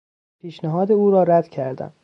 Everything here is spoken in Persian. پیشنهاد او را رد کردم.